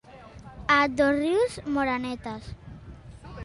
A Dosrius, morenetes.